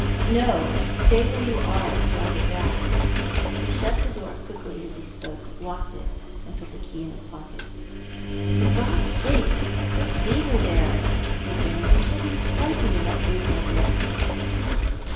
" No ; stay where you are till I come back." He shut the door quickly as he spoke, locked it, and put the key in his pocket. " For God's sake, don't leave her there !" said Brandon. " She'll be frightened in that dismal den."